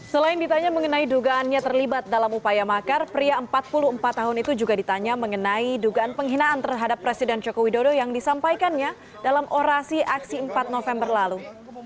selain ditanya mengenai dugaannya terlibat dalam upaya makar pria empat puluh empat tahun itu juga ditanya mengenai dugaan penghinaan terhadap presiden joko widodo yang disampaikannya dalam orasi aksi empat november lalu